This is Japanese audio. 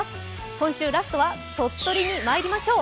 今週ラストは鳥取にまいりましょう。